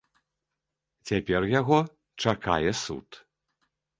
Цяпер яго чакае суд.